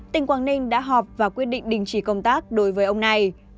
tỉnh quảng ninh đã họp và quyết định đình chỉ công tác đối với ông này